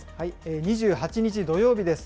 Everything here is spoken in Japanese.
２８日土曜日です。